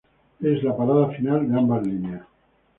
Es la parada final de ambas líneas.